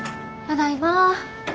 ただいま。